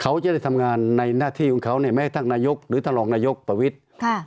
เขาจะได้ทำงานในหน้าที่ของเขาเนี่ยแม้ทั้งนายกหรือท่านรองนายกประวิทย์